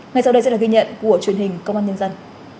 ngay sau đây sẽ là ghi nhận của truyền hình công an nhân dân